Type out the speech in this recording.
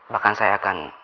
bahkan saya akan